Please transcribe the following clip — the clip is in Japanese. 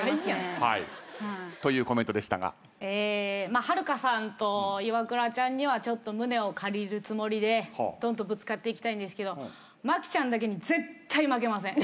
まあはるかさんとイワクラちゃんには胸を借りるつもりでどんとぶつかっていきたいんですけど麻貴ちゃんだけ絶対負けません。